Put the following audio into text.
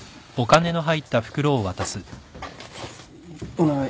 お願い。